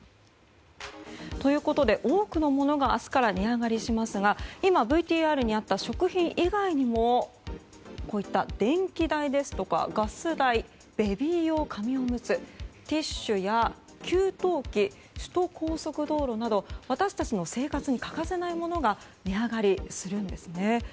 ということで多くのものが明日から値上がりしますが今、ＶＴＲにあった食品以外にもこういった電気代ですとかガス代ベビー用紙おむつティッシュや給湯器首都高速道路など私たちの生活に欠かせないものが値上がりするんです。